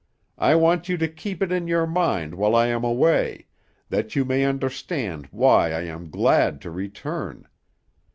I want you to keep it in your mind while I am away, that you may understand why I am glad to return.